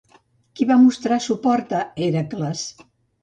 Qui va mostrar suport a Hèracles?